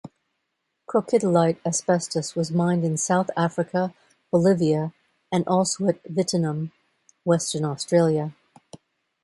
Crocidolite asbestos was mined in South Africa, Bolivia and also at Wittenoom, Western Australia.